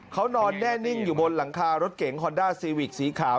เขานอนแน่นิ่งอยู่บนหลังคารถเก๋งฮอนด้าซีวิกสีขาว